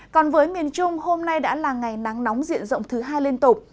còn với miền trung hôm nay đã là ngày nắng nóng diện rộng thứ hai liên tục